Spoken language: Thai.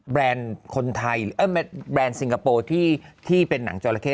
แรนด์คนไทยแบรนด์สิงคโปร์ที่เป็นหนังจราเข้